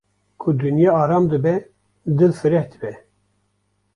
ku dinya aram dibe dil fireh dibe.